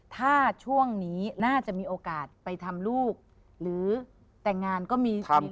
ถ้าช่วงนี้น่าจะมีโอกาสไปทำลูกหรือแต่งงานก็มีสิทธิ์